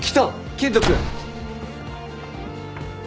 健人君。